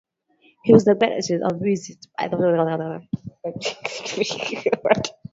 He was neglected and abused by his alcoholic father and his drug addicted mother.